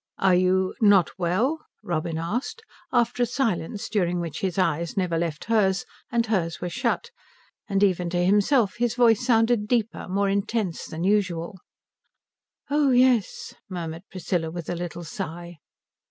"Are you not well?" Robin asked, after a silence during which his eyes never left her and hers were shut; and even to himself his voice sounded deeper, more intense than usual. "Oh yes," murmured Priscilla with a little sigh.